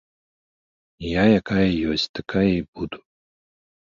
Я якая ёсць, такая і буду.